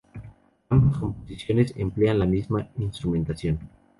Ambas composiciones emplean la misma instrumentación.